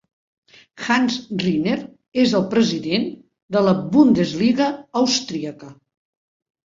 Hans Rinner és el president de la Bundesliga Austríaca.